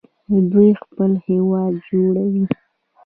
دوی خپل هیواد جوړوي.